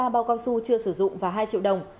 hai mươi ba bao cao su chưa sử dụng và hai triệu đồng